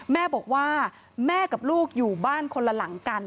แม่บอกว่าแม่กับลูกอยู่บ้านคนละหลังกัน